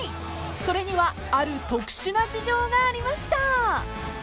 ［それにはある特殊な事情がありました］